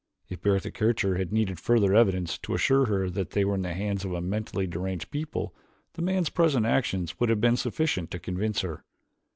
If Bertha Kircher had needed further evidence to assure her that they were in the hands of a mentally deranged people the man's present actions would have been sufficient to convince her.